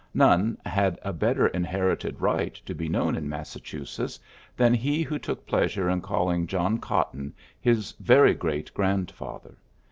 None had a better inherited right to be known in Massachusetts than he who took pleasure in calling John Cotton his "very great grandfather."